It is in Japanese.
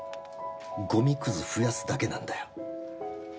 ゴミクズ増やすだけなんだよ。